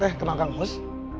teh kenal kang mus